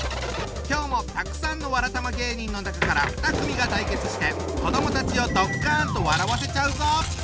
今日もたくさんのわらたま芸人の中から２組が対決して子どもたちをドッカンと笑わせちゃうぞ！